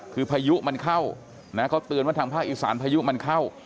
คือพายุมันเข้านะเขาเตือนว่าทางภาคอีสานพายุมันเข้า